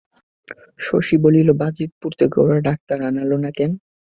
শশী বলিল, বাজিতপুর থেকে ওরা ডাক্তার আনাল না কেন।